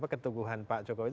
keteguhan pak jokowi